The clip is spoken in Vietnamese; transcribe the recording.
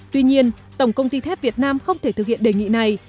tuy nhiên tổng công ty thép việt nam không thể thực hiện đề nghị này